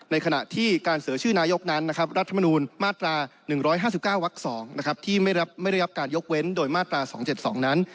ขณะที่การเสนอชื่อนายกนั้นนะครับรัฐมนูลมาตรา๑๕๙วัก๒ที่ไม่ได้รับการยกเว้นโดยมาตรา๒๗๒นั้น